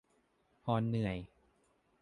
พอเหนื่อย